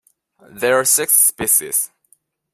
There are six species.